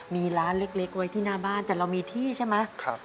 มีร้านเล็กไว้ที่หน้าบ้านแต่เรามีที่ใช่ไหม